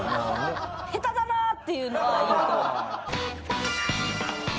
下手だなっていうのは。